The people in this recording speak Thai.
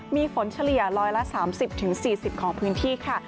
มีฝนเฉลี่ย๑๓๐๔๐ของพื้นที่ค่ะ